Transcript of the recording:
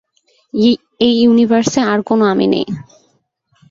এই ইউনিভার্সে আর কোনো আমি নেই।